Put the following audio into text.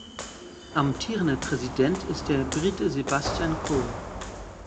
Amtierender Präsident ist der Brite Sebastian Coe.